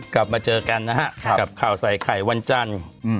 กลับมาเจอกันนะฮะกับข่าวใส่ไข่วันจันทร์